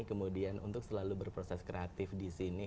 kemudian untuk selalu berproses kreatif di sini